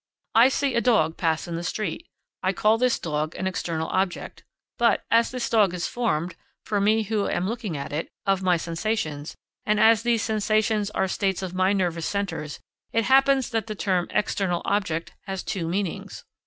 I see a dog pass in the street. I call this dog an external object; but, as this dog is formed, for me who am looking at it, of my sensations, and as these sensations are states of my nervous centres, it happens that the term external object has two meanings.